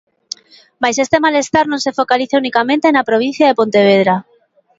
Mais este malestar non se focaliza unicamente na provincia de Pontevedra.